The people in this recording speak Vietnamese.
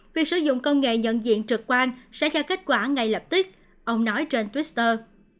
việc sử dụng công nghệ nhận diện trực quan sẽ theo kết quả ngay lập tức ông nói trên twitter